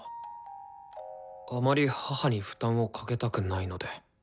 あまり母に負担をかけたくないので。